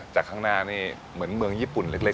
ข้างหน้านี่เหมือนเมืองญี่ปุ่นเล็ก